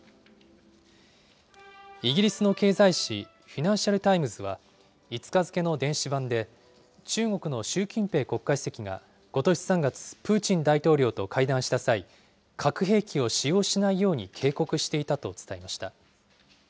イギリスの経済紙、フィナンシャル・タイムズは５日付の電子版で、中国の習近平国家主席が、ことし３月、プーチン大統領と会談した際、核兵器を使用しないように警告していたと伝えました。